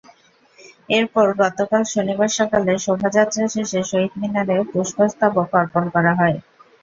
এরপর গতকাল শনিবার সকালে শোভাযাত্রা শেষে শহীদ মিনারে পুষ্পস্তবক অর্পণ করা হয়।